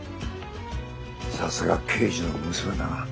さすが刑事の娘だな。